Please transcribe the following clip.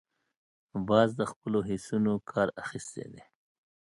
باز د خپلو حسونو کار اخیستونکی دی